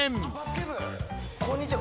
こんにちは。